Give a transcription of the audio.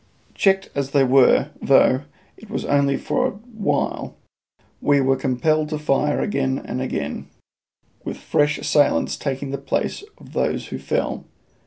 Checked as they were, though, it was only for a while; and we were compelled to fire again and again, with fresh assailants taking the places of those who fell.